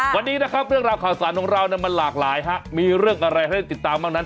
วันนี้เรื่องราวข่าวสารของเรามันหลากหลายมีเรื่องอะไรอาจจะติดตามบ้างรังนั้น